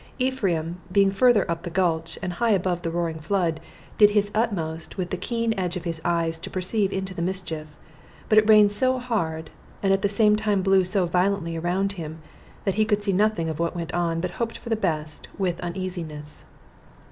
Ephraim, being further up the gulch, and high above the roaring flood, did his utmost with the keen edge of his eyes to pierce into the mischief; but it rained so hard, and at the same time blew so violently around him, that he could see nothing of what went on, but hoped for the best, with uneasiness.